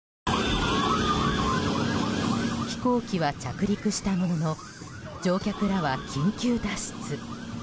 飛行機は着陸したものの乗客らは緊急脱出。